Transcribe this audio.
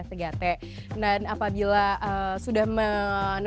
dan apabila sudah menemukan pengecekan ulangnya mungkin dapat diperhatikan ya